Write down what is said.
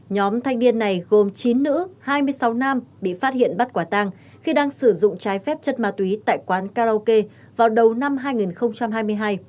nhóm thanh niên này gồm chín nữ hai mươi sáu nam bị phát hiện bắt quả tang khi đang sử dụng trái phép chất ma túy tại quán karaoke vào đầu năm hai nghìn hai mươi hai